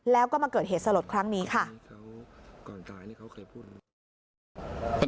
แล้วก็มาเกิดเหตุสลดครั้งนี้ค่ะ